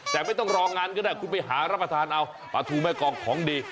แต่ไม่ต้องรองานก็ได้คุณไปหารับประทานเอาปลาทูแม่กองของดี